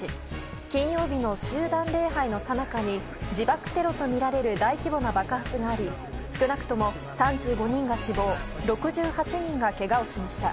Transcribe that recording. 金曜日の集団礼拝のさなかに自爆テロとみられる大規模な爆発があり少なくとも３５人が死亡６８人がけがをしました。